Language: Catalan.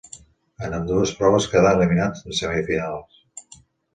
En ambdues proves quedà eliminat en semifinals.